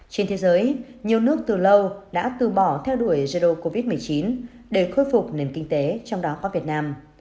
trên thế giới nhiều nước từ lâu đã từ bỏ theo đuổi jerdo covid một mươi chín để khôi phục nền kinh tế trong đó có việt nam